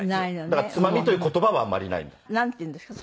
だからつまみという言葉はあんまりないんだ。なんて言うんですか？